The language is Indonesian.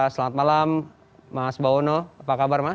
selamat malam mas bawono apa kabar mas